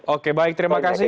oke baik terima kasih